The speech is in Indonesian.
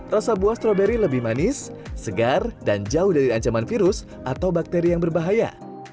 rasa buah stroberi lebih manis segar dan jauh dari ancaman virus atau bakteri yang berbahaya